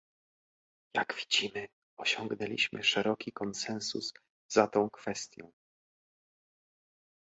Jak widzimy, osiągnęliśmy szeroki konsensus za tą kwestią